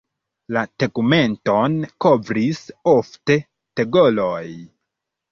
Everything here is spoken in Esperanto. La tegmenton kovris ofte tegoloj.